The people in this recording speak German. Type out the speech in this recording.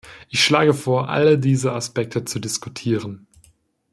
Ich schlage vor, alle diese Aspekte zu diskutieren.